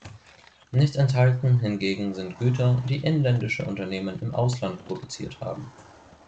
Nicht enthalten hingegen sind Güter, die inländische Unternehmen im Ausland produziert haben.